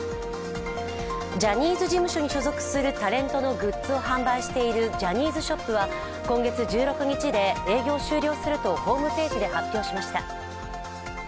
ジャニーズ事務所に所属するタレントのグッズを販売しているジャニーズショップは今月１６日で営業終了するとホームページで発表しました。